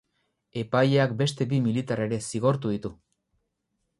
Epaileak beste bi militar ere zigortu ditu.